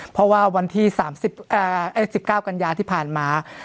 เพราะว่าวันที่๑๙กันยาที่ผ่านมา